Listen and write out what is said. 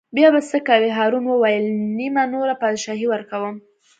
بیا به څه کوې هارون وویل: نیمه نوره بادشاهي ورکووم.